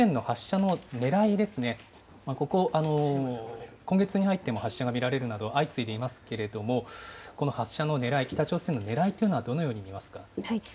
この北朝鮮の発射のねらいですね、ここ、今月に入っても発射が見られるなど、相次いでいますけれども、この発射のねらい、北朝鮮のねらいというのはどのようにいえ